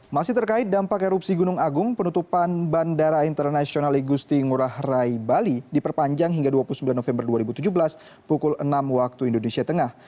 masih terkait dampak erupsi gunung agung penutupan bandara internasional igusti ngurah rai bali diperpanjang hingga dua puluh sembilan november dua ribu tujuh belas pukul enam waktu indonesia tengah